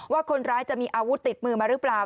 ว่าคนร้ายจะมีอาวุธติดมือมาหรือเปล่า